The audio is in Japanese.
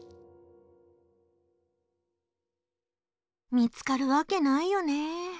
見つかるわけないよね。